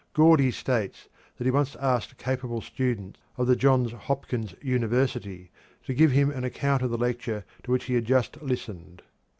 Gordy states that he once asked a capable student of the Johns Hopkins University to give him an account of a lecture to which he had just listened.